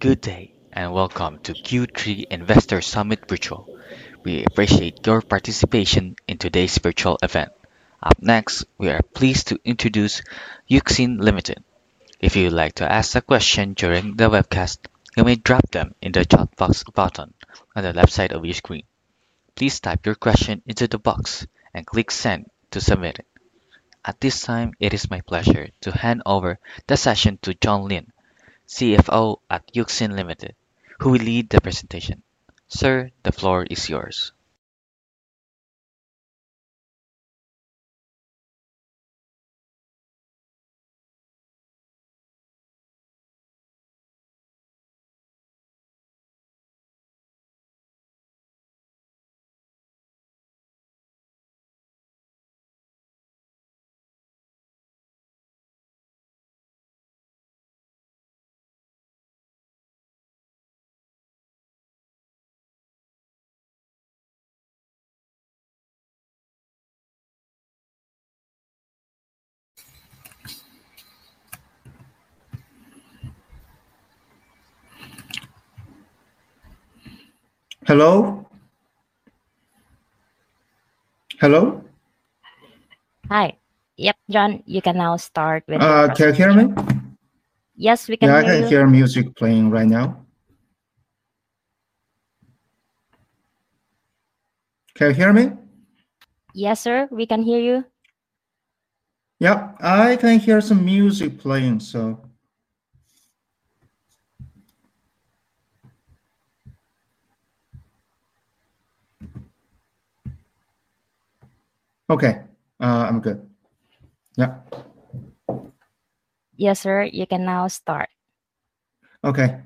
Good day, and welcome to Q3 Investor Summit Virtual. We appreciate your participation in today's virtual event. Up next, we are pleased to introduce Uxin Limited. If you would like to ask a question during the webcast, you may drop them in the chat box button on the left side of your screen. Please type your question into the box and click "Send" to submit it. At this time, it is my pleasure to hand over the session to John Lin, CFO at Uxin Limited, who will lead the presentation. Sir, the floor is yours. Hello? Hello? Hi. John, you can now start with. Can you hear me? Yes, we can hear you. Can you hear the music playing right now? Can you hear me? Yes, sir, we can hear you. I can hear some music playing, so I'm good. Yes, sir, you can now start. Thank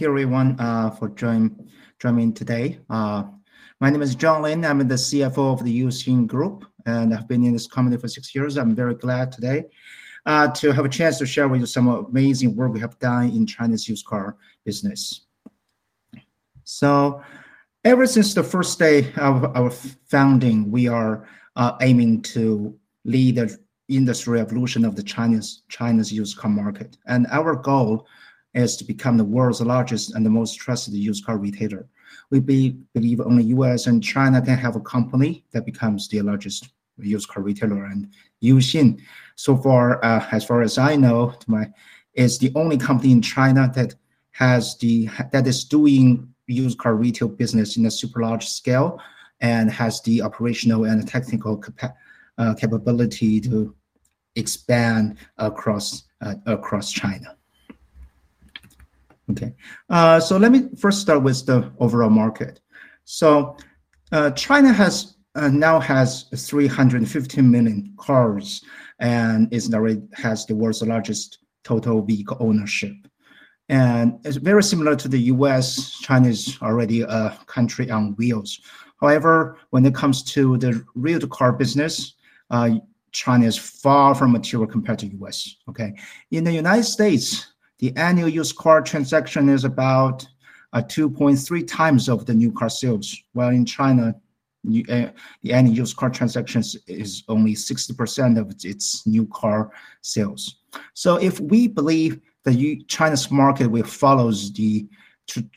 you, everyone, for joining today. My name is John Lin. I'm the CFO of Uxin Group, and I've been in this company for six years. I'm very glad today to have a chance to share with you some amazing work we have done in the Chinese used car business. Ever since the first day of our founding, we are aiming to lead the industry revolution of the Chinese used car market. Our goal is to become the world's largest and the most trusted used car retailer. We believe only the U.S. and China can have a company that becomes the largest used car retailer. Uxin, so far, as far as I know, is the only company in China that is doing used car retail business in a super large scale and has the operational and technical capability to expand across China. Let me first start with the overall market. China now has 315 million cars and has the world's largest total vehicle ownership. It's very similar to the U.S. China is already a country on wheels. However, when it comes to the retail car business, China is far from mature compared to the U.S. In the United States, the annual used car transaction is about 2.3x the new car sales, while in China, the annual used car transaction is only 60% of its new car sales. If we believe that China's market follows the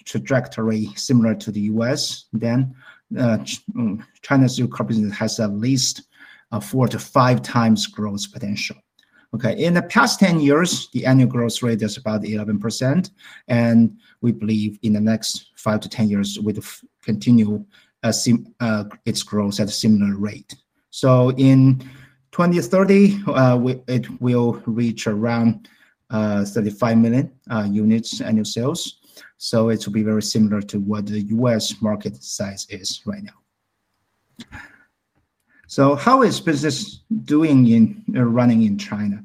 trajectory similar to the U.S., then China's used car business has at least a four to five times growth potential. In the past 10 years, the annual growth rate is about 11%, and we believe in the next five to 10 years, we will continue its growth at a similar rate. In 2030, it will reach around 35 million units annual sales. It will be very similar to what the U.S. market size is right now. How is business running in China?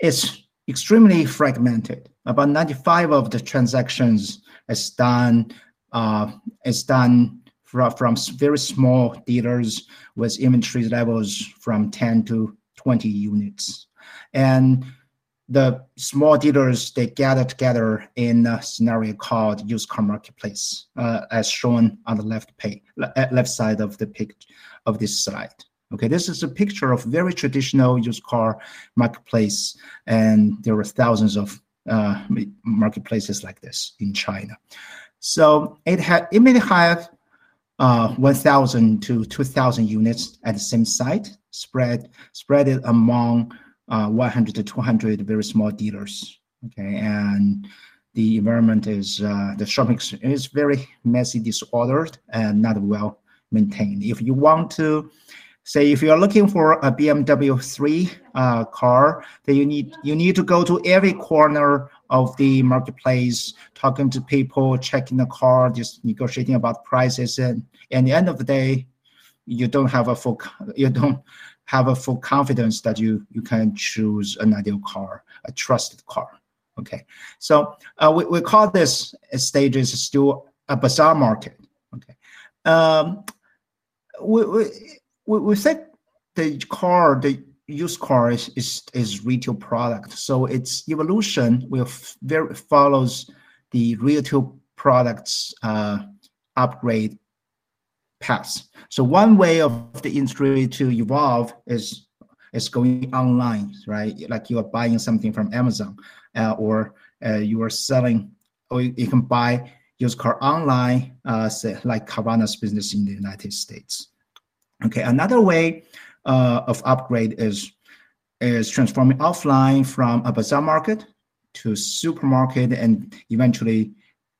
It's extremely fragmented. About 95% of the transactions are done from very small dealers with inventory levels from 10-20 units. The small dealers gather together in a scenario called the used car marketplace, as shown on the left side of the picture of this slide. This is a picture of a very traditional used car marketplace, and there are thousands of marketplaces like this in China. It may have 1,000-2,000 units at the same site, spread among 100-200 very small dealers. The environment is very messy, disordered, and not well maintained. If you want to, say, if you're looking for a BMW 3 car, then you need to go to every corner of the marketplace, talking to people, checking the car, just negotiating about prices. At the end of the day, you don't have a full confidence that you can choose an ideal car, a trusted car. We call this stage still a bazaar market. We think the used car is a retail product, so its evolution follows the retail product's upgrade path. One way for the industry to evolve is going online, right? Like you are buying something from Amazon, or you are selling, or you can buy used cars online, like Carvana's business in the United States. Another way of upgrade is transforming offline from a bazaar market to a supermarket and eventually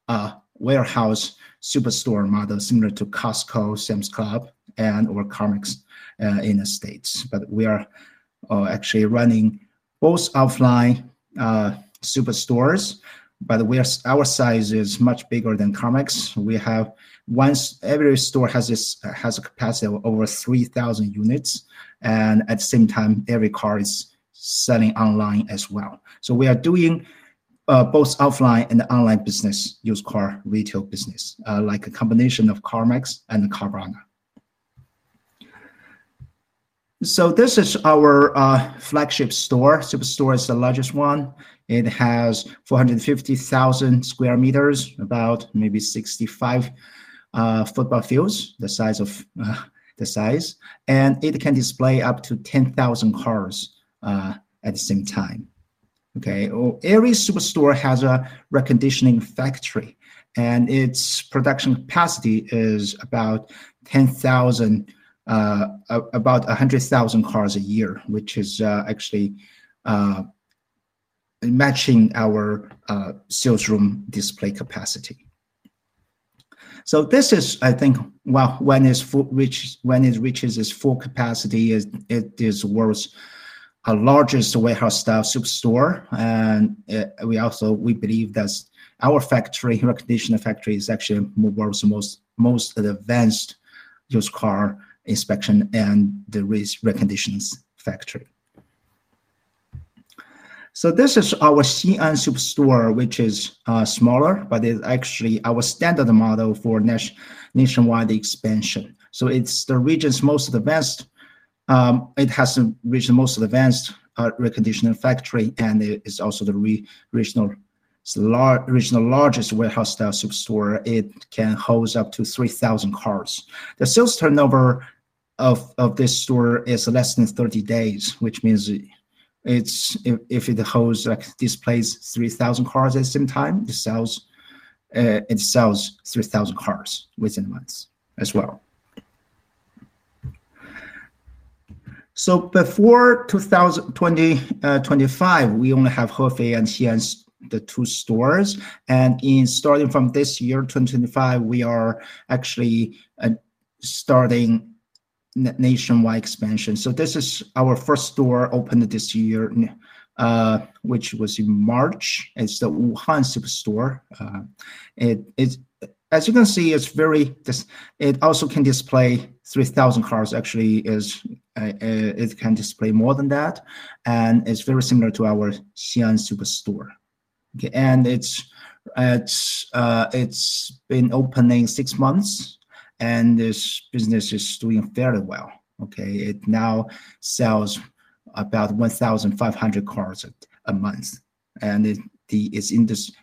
a warehouse superstore model similar to Costco, Sam's Club, and/or CarMax in the States. We are actually running both offline superstores, but our size is much bigger than CarMax. Every store has a capacity of over 3,000 units, and at the same time, every car is selling online as well. We are doing both offline and online business, used car retail business, like a combination of CarMax and Carvana. This is our flagship store. Superstore is the largest one. It has 450,000 m^2, about maybe 65 football fields, the size of the size. It can display up to 10,000 cars at the same time. Every superstore has a reconditioning factory, and its production capacity is about 100,000 cars a year, which is actually matching our sales room display capacity. I think when it reaches its full capacity, it is the world's largest warehouse-style superstore. We also believe that our factory, reconditioning factory, is actually the world's most advanced used car inspection and the reconditioning factory. This is our Xi'an superstore, which is smaller, but it's actually our standard model for nationwide expansion. It's the region's most advanced. It has the region's most advanced reconditioning factory, and it's also the regional largest warehouse-style superstore. It can hold up to 3,000 cars. The sales turnover of this store is less than 30 days, which means if it displays 3,000 cars at the same time, it sells 3,000 cars within a month as well. Before 2025, we only have Hefei and Xi'an, the two stores. Starting from this year, 2025, we are actually starting nationwide expansion. This is our first store opened this year, which was in March. It's the Wuhan superstore. As you can see, it also can display 3,000 cars. Actually, it can display more than that. It's very similar to our Xi'an superstore. It's been open six months, and this business is doing fairly well. It now sells about 1,500 cars a month. Its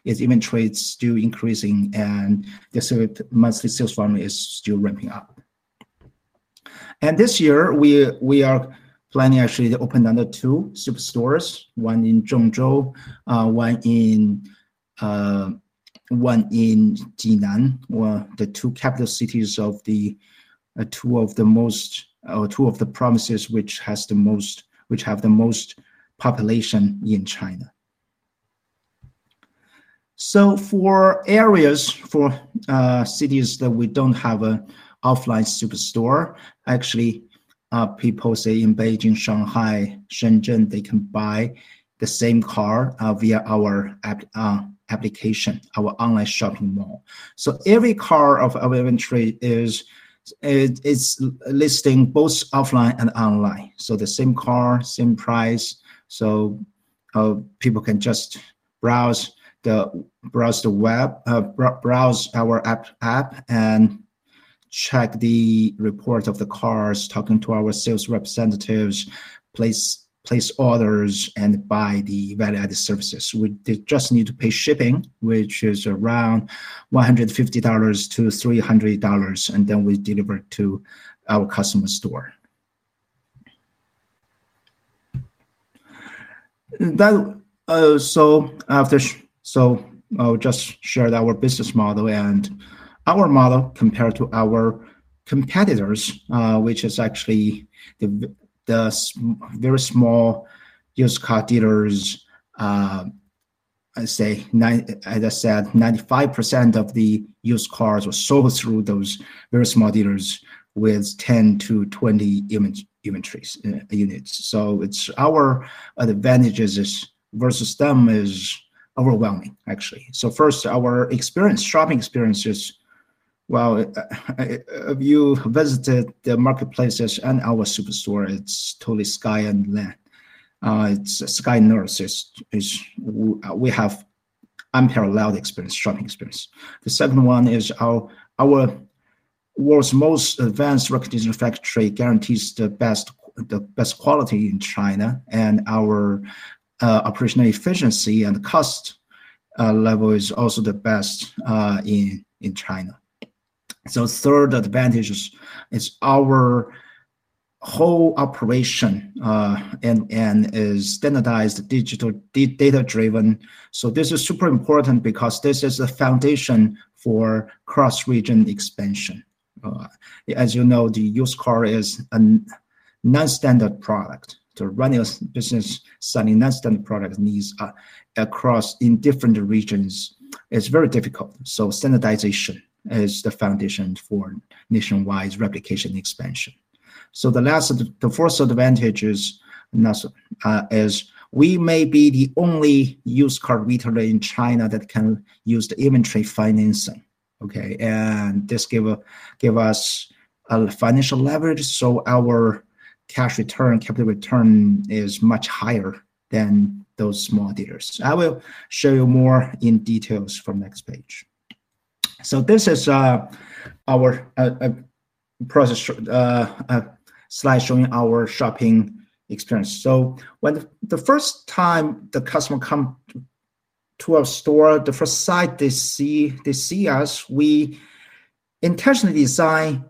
inventory is still increasing, and the monthly sales volume is still ramping up. This year, we are planning actually to open another two superstores, one in Zhengzhou, one in Jinan, the two capital cities of two of the most, or two of the provinces which have the most population in China. For areas, for cities that we don't have an offline superstore, actually, people say in Beijing, Shanghai, Shenzhen, they can buy the same car via our application, our online shopping mall. Every car of our inventory is listed both offline and online. The same car, same price. People can just browse the web, browse our app, and check the report of the cars, talking to our sales representatives, place orders, and buy the value-added services. They just need to pay shipping, which is around $150-$300, and then we deliver it to our customer store. I'll just share our business model and our model compared to our competitors, which is actually the very small used car dealers. I'd say, as I said, 95% of the used cars are sold through those very small dealers with 10-20 inventory units. Our advantages versus them are overwhelming, actually. First, our experience, shopping experiences, well, if you visited the marketplaces and our superstore, it's totally sky and land. It's sky and earth. We have unparalleled shopping experience. The second one is our world's most advanced reconditioning factory guarantees the best quality in China, and our operational efficiency and cost level is also the best in China. The third advantage is our whole operation is standardized, digital, data-driven. This is super important because this is the foundation for cross-region expansion. As you know, the used car is a non-standard product. To run a business selling non-standard products across different regions, it's very difficult. Standardization is the foundation for nationwide replication expansion. The last, the fourth advantage is we may be the only used car retailer in China that can use the inventory financing. This gives us a financial leverage, so our cash return, capital return, is much higher than those small dealers. I will show you more in detail from the next page. This is a slide showing our shopping experience. When the first time the customer comes to our store, the first sight they see, they see us. We intentionally design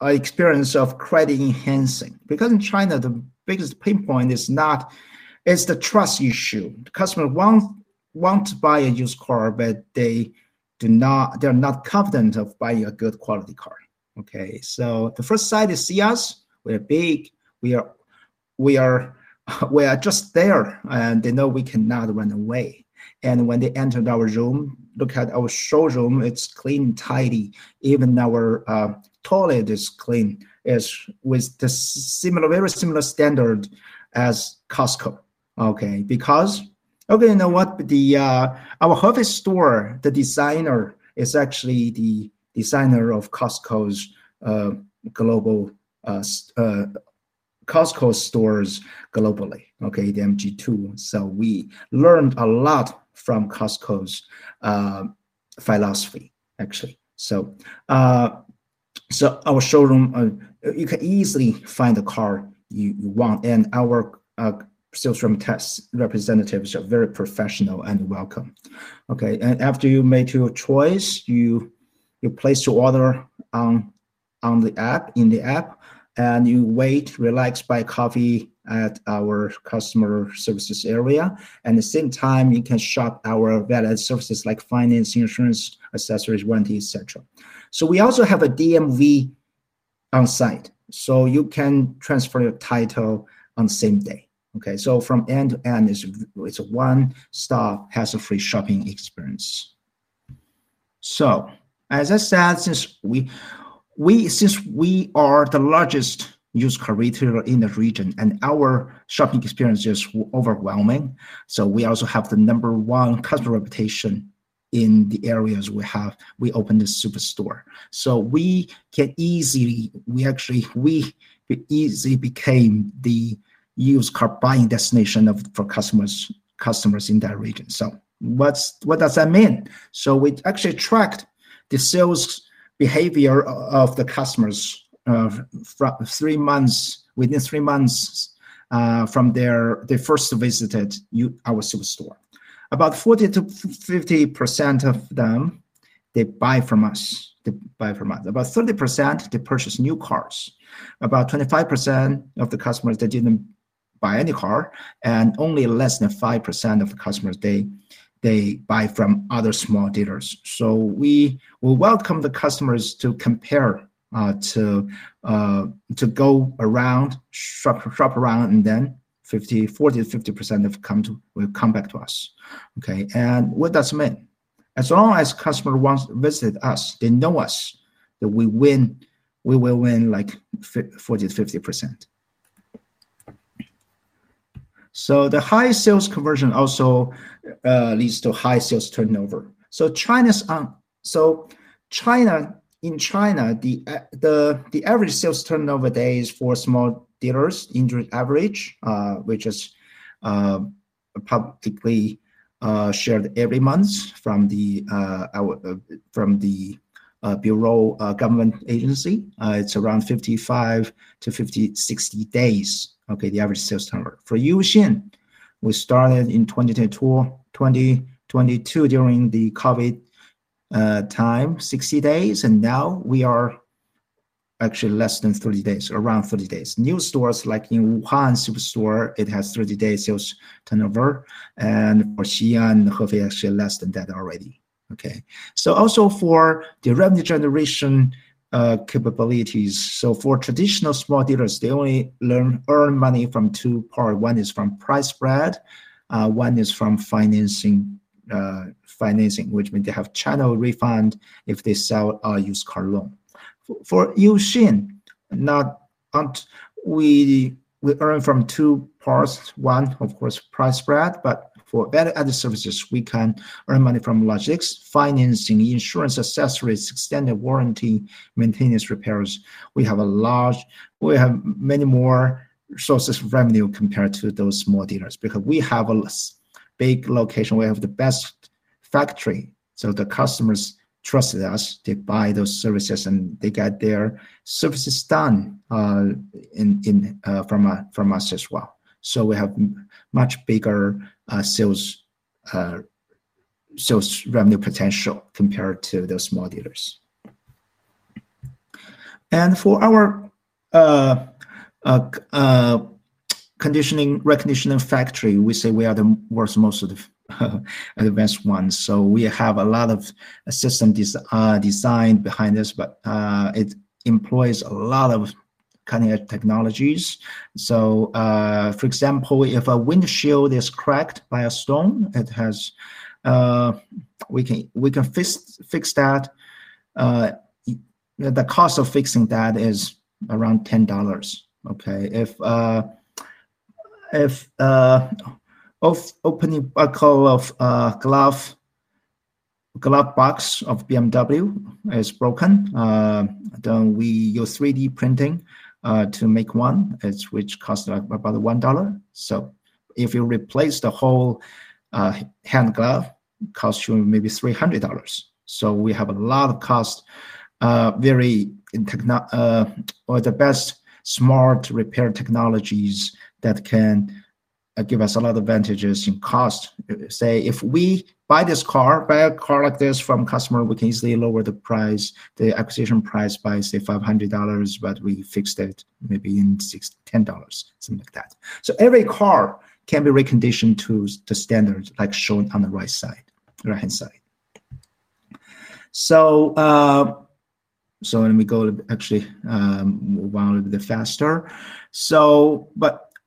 an experience of credit enhancing. In China, the biggest pain point is not, it's the trust issue. The customer wants to buy a used car, but they are not confident of buying a good quality car. The first sight they see us, we are big, we are just there, and they know we cannot run away. When they enter our room, look at our showroom, it's clean and tidy. Even our toilet is clean. It's with the very similar standard as Costco. You know what? Our Hefei store, the designer, is actually the designer of Costco's global stores, globally, the MG2. We learned a lot from Costco's philosophy, actually. Our showroom, you can easily find the car you want, and our sales representatives are very professional and welcome. After you make your choice, you place your order on the app, in the app, and you wait, relax, buy coffee at our customer services area. At the same time, you can shop our value-added services like finance, insurance, accessories, warranty, etc. We also have a DMV on site, so you can transfer your title on the same day. From end to end, it's a one-stop, hassle-free shopping experience. As I said, since we are the largest used car retailer in the region, and our shopping experience is overwhelming, we also have the number one customer reputation in the areas we have, we opened the superstore. We can easily, we actually, we easily became the used car buying destination for customers in that region. What does that mean? We actually tracked the sales behavior of the customers within three months from their first visit at our superstore. About 40%-50% of them, they buy from us. They buy from us. About 30%, they purchase new cars. About 25% of the customers, they didn't buy any car, and only less than 5% of the customers, they buy from other small dealers. We welcome the customers to compare, to go around, shop around, and then 40%-50% will come back to us. What does it mean? As long as customers want to visit us, they know us, that we win, we will win like 40%-50%. The high sales conversion also leads to high sales turnover. In China, the average sales turnover days for small dealers is average, which is publicly shared every month from the bureau government agency. It's around 55-60 days. The average sales turnover for Uxin, we started in 2022 during the COVID time, was 60 days, and now we are actually less than 30 days, around 30 days. New stores, like in Wuhan superstore, have 30 days sales turnover, and for Xi'an, Hefei actually less than that already. Also, for the revenue generation capabilities, for traditional small dealers, they only earn money from two parts. One is from price spread, one is from financing, which means they have channel refund if they sell a used car loan. For Uxin, we earn from two parts. One, of course, price spread, but for value-added services, we can earn money from logistics, financing, insurance, accessories, extended warranty, maintenance, repairs. We have many more sources of revenue compared to those small dealers because we have a big location. We have the best factory, so the customers trust us. They buy those services, and they get their services done from us as well. We have much bigger sales revenue potential compared to those small dealers. For our reconditioning factory, we say we are the world's most advanced one. We have a lot of system design behind us, and it employs a lot of cutting-edge technologies. For example, if a windshield is cracked by a stone, we can fix that. The cost of fixing that is around $10. If an opening buckle of a glove box of BMW is broken, then we use 3D printing to make one, which costs about $1. If you replace the whole hand glove, it costs you maybe $300. We have very technical or the best smart repair technologies that can give us a lot of advantages in cost. If we buy a car like this from a customer, we can easily lower the price, the acquisition price by, say, $500, but we fix it maybe in $10, something like that. Every car can be reconditioned to the standards like shown on the right-hand side.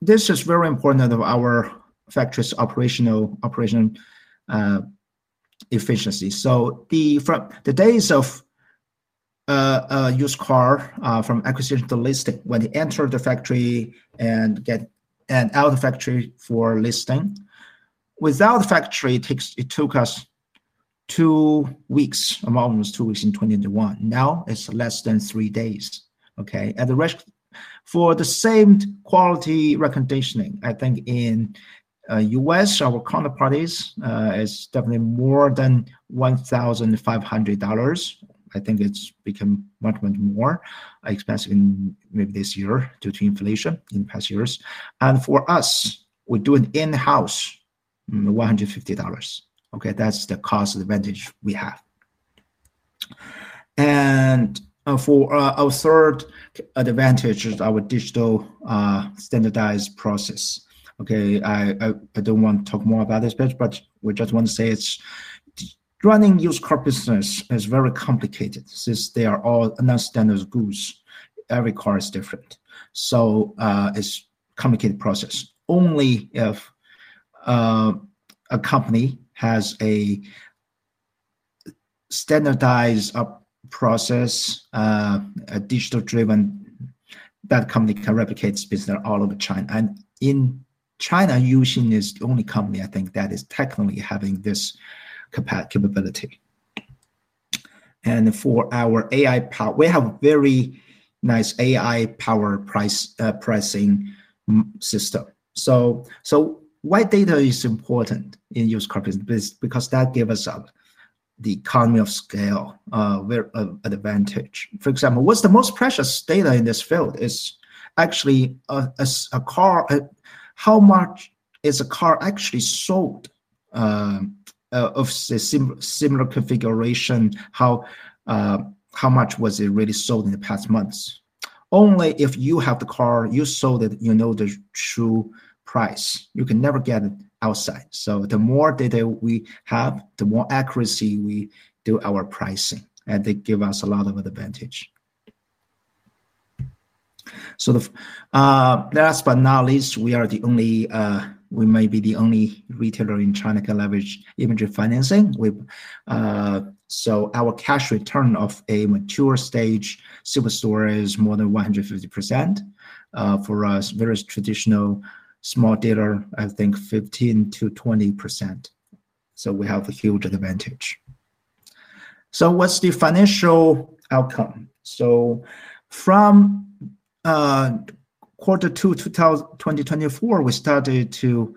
This is very important for our factory's operational efficiency. The days of used car from acquisition to listing, when they enter the factory and get out of the factory for listing, without the factory, it took us almost two weeks in 2021. Now it's less than three days. Okay, and the rest for the same quality reconditioning, I think in the U.S., our counterparties is definitely more than $1,500. I think it's become much more, I expect in maybe this year due to inflation in the past years. For us, we're doing in-house $150. Okay, that's the cost advantage we have. For our third advantage, is our digital standardized process. I don't want to talk more about this, but we just want to say running used car business is very complicated since they are all non-standard goods. Every car is different. It's a complicated process. Only if a company has a standardized process, a digital-driven, that company can replicate business all over China. In China, Uxin is the only company, I think, that is technically having this capability. For our AI power, we have a very nice AI-powered pricing system. Why data is important in used car business? Because that gives us the economy of scale advantage. For example, what's the most precious data in this field is actually a car. How much is a car actually sold of the similar configuration? How much was it really sold in the past months? Only if you have the car, you sold it, you know the true price. You can never get it outside. The more data we have, the more accuracy we do our pricing, and they give us a lot of advantage. Last but not least, we are the only, we may be the only retailer in China to leverage inventory financing. Our cash return of a mature stage superstore is more than 150%. For us, very traditional small dealer, I think 15%-20%. We have a huge advantage. What's the financial outcome? From quarter two, 2024, we started to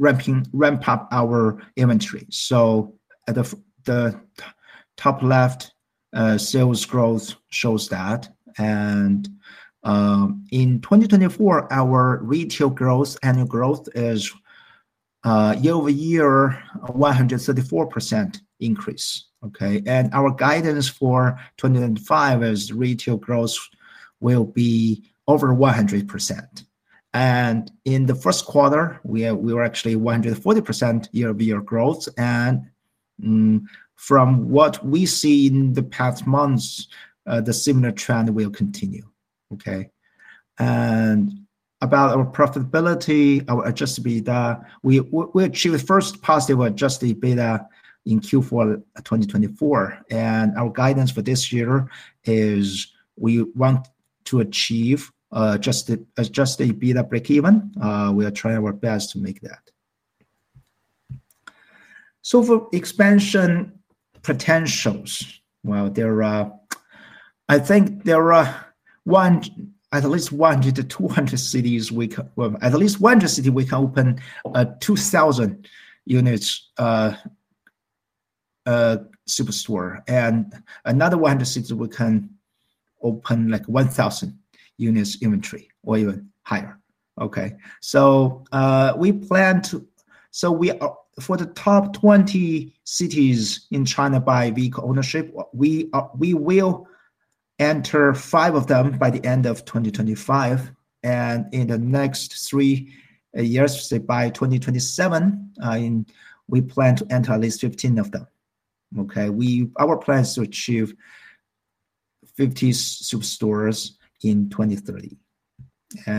ramp up our inventory. At the top left, sales growth shows that. In 2024, our retail growth, annual growth, is year-over-year 134% increase. Our guidance for 2025 is retail growth will be over 100%. In the first quarter, we were actually 140% year-over-year growth. From what we see in the past months, the similar trend will continue. About our profitability, our adjusted EBITDA, we achieved the first possible adjusted EBITDA in Q4 2024. Our guidance for this year is we want to achieve adjusted EBITDA break-even. We are trying our best to make that. For expansion potentials, I think there are at least 100-200 cities. We have at least 100 cities we can open 2,000 units superstore. Another 100 cities we can open like 1,000 units inventory or even higher. Okay, we plan to, for the top 20 cities in China by vehicle ownership, enter five of them by the end of 2025. In the next three years, by 2027, we plan to enter at least 15 of them. Our plan is to achieve 50 superstores in 2030,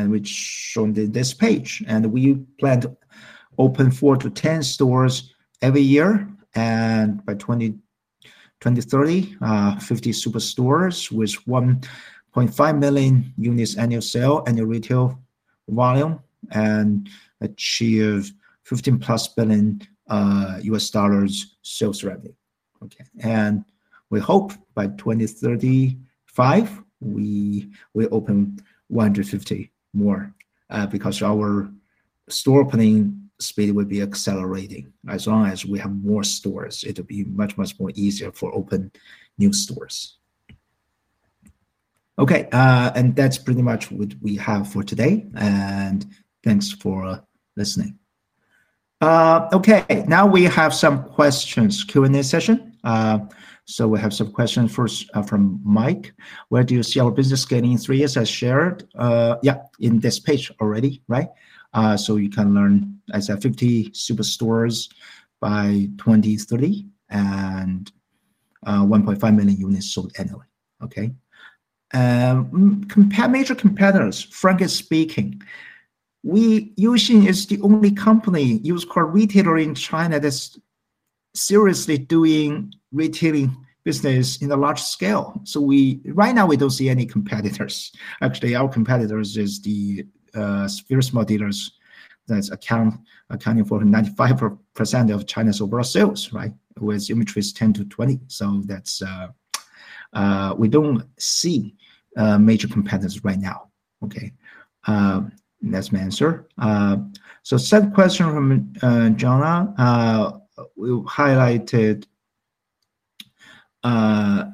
which is on this page. We plan to open four to 10 stores every year. By 2030, 50 superstores with 1.5 million units annual sale, annual retail volume, and achieve $15+ billion sales revenue. We hope by 2035, we will open 150 more because our store opening speed will be accelerating. As long as we have more stores, it'll be much, much easier for opening new stores. That's pretty much what we have for today. Thanks for listening. Now we have some questions, Q&A session. We have some questions first from Mike. Where do you see our business gaining in three years? I shared, in this page already, right? You can learn, I said, 50 superstores by 2030 and 1.5 million units sold annually. Major competitors, frankly speaking, Uxin is the only company used car retailer in China that's seriously doing retailing business in a large scale. Right now, we don't see any competitors. Actually, our competitors are the very small dealers that's accounting for 95% of China's overall sales, with inventories 10-20. We don't see major competitors right now. That's my answer. Second question from Jonah. We highlighted Uxin's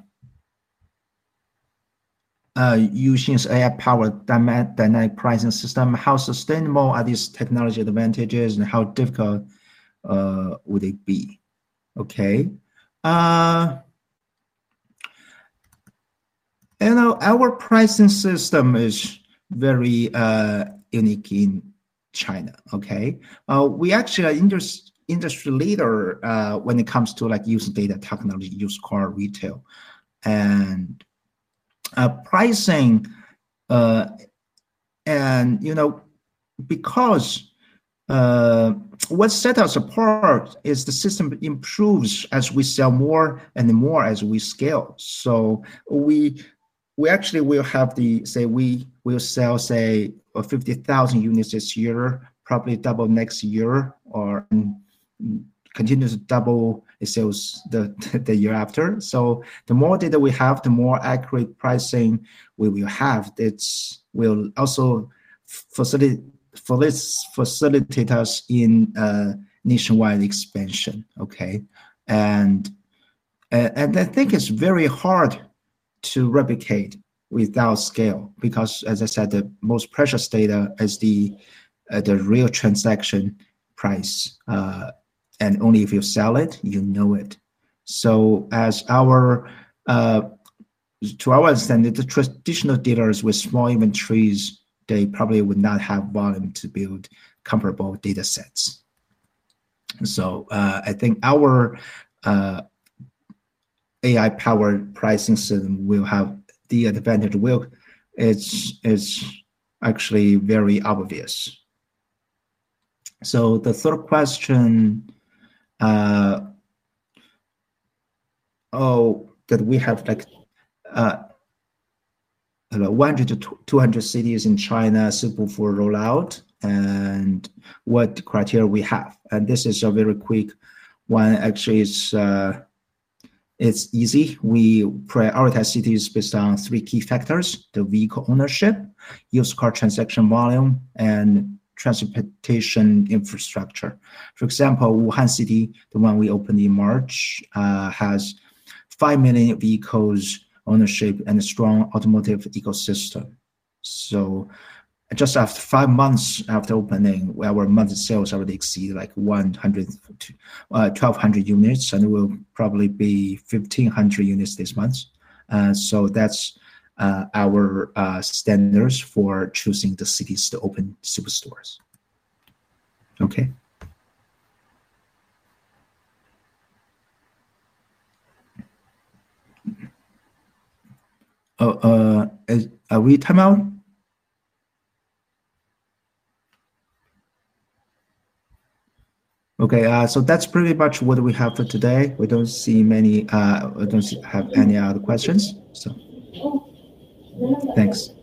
AI-powered dynamic pricing system. How sustainable are these technology advantages and how difficult would they be? Our pricing system is very unique in China. We actually are an industry leader when it comes to user data technology, used car retail, and pricing. What sets us apart is the system improves as we sell more and more as we scale. We actually will have the, say, we will sell, say, 50,000 units this year, probably double next year, or continuously double the sales the year after. The more data we have, the more accurate pricing we will have. It will also facilitate us in nationwide expansion. I think it's very hard to replicate without scale because, as I said, the most precious data is the real transaction price. Only if you sell it, you know it. As to our understanding, the traditional dealers with small inventories, they probably would not have volume to build comparable data sets. I think our AI-powered dynamic pricing system will have the advantage of the world. It's actually very obvious. The third question, that we have like 100-200 cities in China suitable for rollout and what criteria we have. This is a very quick one. Actually, it's easy. We prioritize cities based on three key factors: the vehicle ownership, used car transaction volume, and transportation infrastructure. For example, Wuhan City, the one we opened in March, has 5 million vehicles ownership and a strong automotive ecosystem. Just after five months after opening, our monthly sales already exceeded like 1,200 units, and it will probably be 1,500 units this month. That's our standards for choosing the cities to open superstores. Are we at timeout? That's pretty much what we have for today. We don't see many, I don't have any other questions. Thanks. John,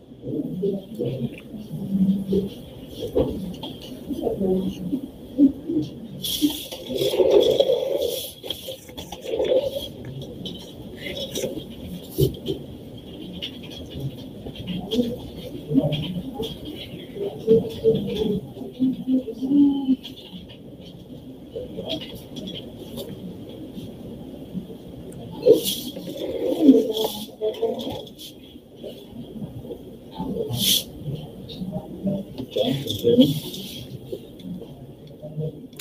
can you hear me?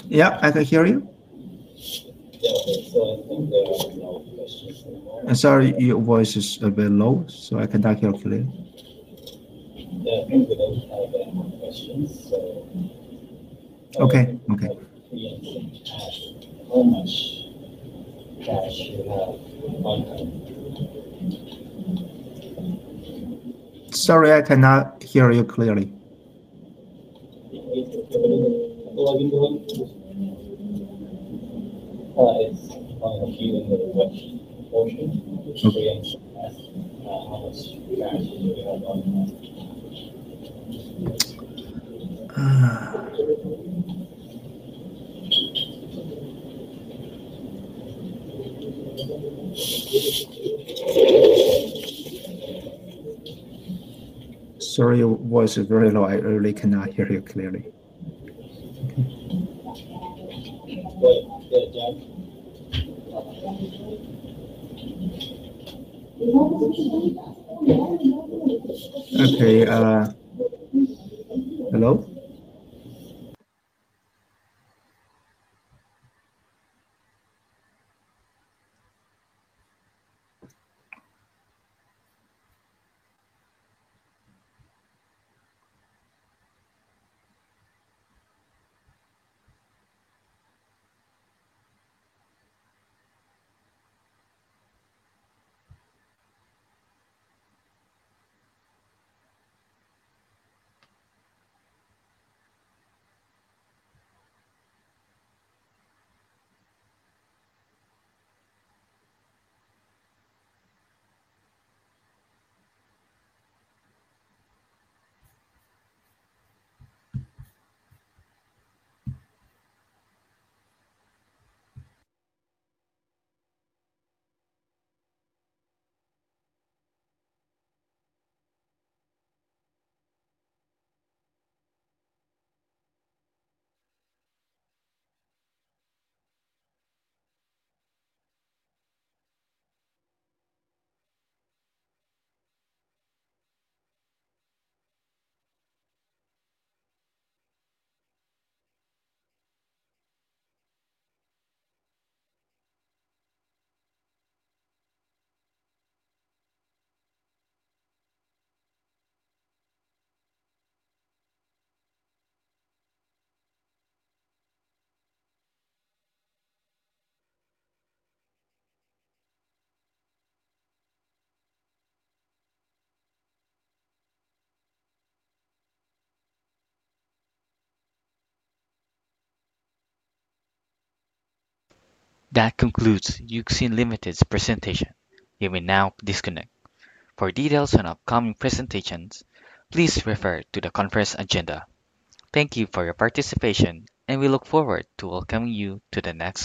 Yeah, I can hear you. I'm sorry, your voice is a bit low, so I cannot hear clear. Sorry, I cannot hear you clearly. Sorry, your voice is very low. I really cannot hear you clearly. Okay, that concludes Uxin Limited's presentation. We will now disconnect. For details on upcoming presentations, please refer to the conference agenda. Thank you for your participation, and we look forward to welcoming you to the next.